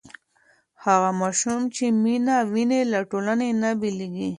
هغه ماشوم چې مینه ویني له ټولنې نه بېلېږي.